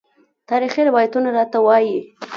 تاریخي روایتونه راته وايي.